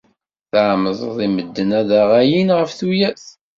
Tɛemmdeḍ i medden ad aɣ-alin ɣef tuyat.